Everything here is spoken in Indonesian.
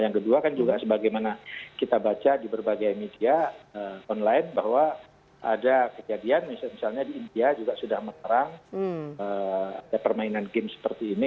yang kedua kan juga sebagaimana kita baca di berbagai media online bahwa ada kejadian misalnya di india juga sudah melarang ada permainan game seperti ini